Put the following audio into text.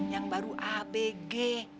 yang baru abg